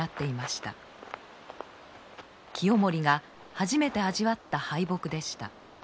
清盛が初めて味わった敗北でした。